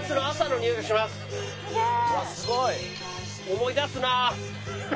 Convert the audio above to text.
思い出すなあ。